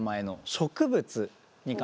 植物？